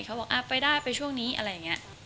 เขาบอกไปได้ไปช่วงนี้อะไรอย่างนี้